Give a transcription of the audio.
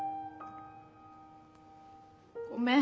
ごめん。